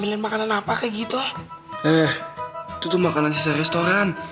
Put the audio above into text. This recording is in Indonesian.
eh itu tuh makanan sisa restoran